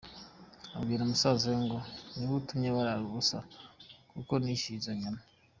abwira musaza we ngo niwe utumye barara ubusa kuko nishyuye izo nyama.